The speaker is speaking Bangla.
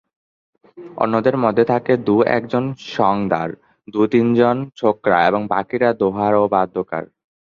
অন্যদের মধ্যে থাকে দু-একজন সঙদার, দু-তিনজন ছোকরা এবং বাকিরা দোহার ও বাদ্যকর।